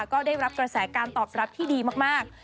ก็ได้รับกระแสการตอบรับที่ดีมาก